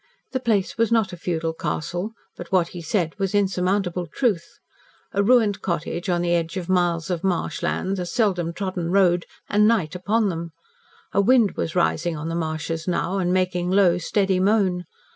The place was not a feudal castle, but what he said was insurmountable truth. A ruined cottage on the edge of miles of marsh land, a seldom trodden road, and night upon them! A wind was rising on the marshes now, and making low, steady moan.